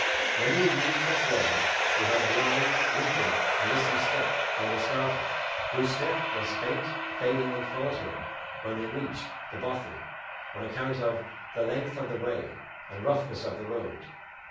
Many a youth was there who had a lithe, leaping and lissom step when they started whose step was faint, failing, and faltering when they reached the bothy on account of the length of the way and roughness of the road.